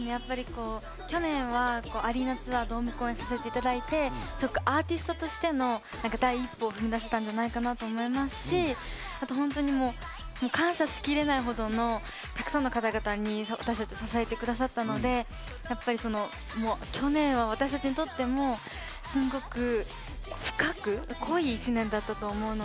去年はアリーナツアー、ドーム公演をさせていただいて、アーティストとしての第一歩を踏み出せたんじゃないかなと思いますし、あと本当に感謝しきれないほどの沢山の方々が支えてくださったので、去年は私たちにとっても、すごく深く濃い１年だったと思うので。